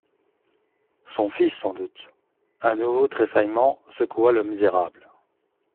Son fils sans doute ! Un nouveau tressaillement secoua le misérable.